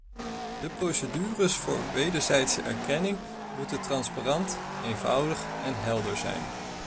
De procedures voor wederzijdse erkenning moeten transparant, eenvoudig en helder zijn.